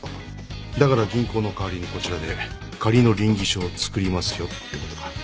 だから銀行の代わりにこちらで仮の稟議書を作りますよってことか。